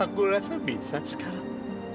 aku rasa bisa sekarang